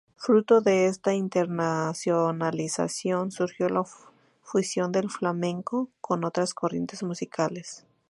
Fruto de esta internacionalización surgió la fusión del flamenco con otras corrientes musicales.